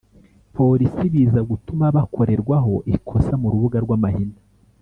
polisi biza gutuma bakorerwaho ikosa mu rubuga rw’amahina